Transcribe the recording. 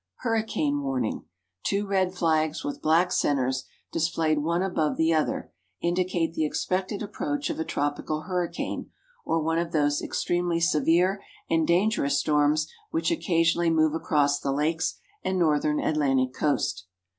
Hurricane Warning: Two red flags with black centers, displayed one above the other, indicate the expected approach of a tropical hurricane, or one of those extremely severe and dangerous storms which occasionally move across the Lakes and Northern Atlantic coast.